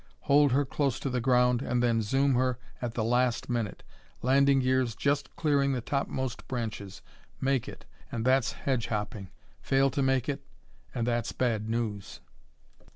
Hold her close to the ground and then zoom her at the last minute ... landing gears just clearing the topmost branches ... make it, and that's hedge hopping. Fail to make it and that's bad news!